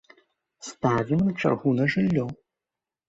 Ставім на чаргу на жыллё.